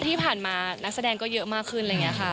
ที่ผ่านมานักแสดงก็เยอะมากขึ้นอะไรอย่างนี้ค่ะ